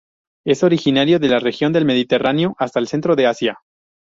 Es originario de la región del Mediterráneo hasta el centro de Asia.